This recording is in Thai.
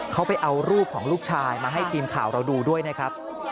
เขาไปเอารูปของลูกชายมาให้ทีมข่าวเราดูด้วยนะครับ